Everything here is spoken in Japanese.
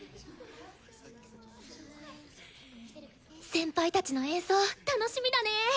先輩たちの演奏楽しみだね。